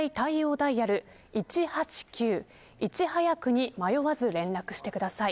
ダイヤル１８９、いちはやくに迷わず連絡してください。